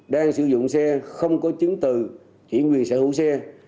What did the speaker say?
đang sử dụng xe không có chứng từ chuyển quyền sở hữu xe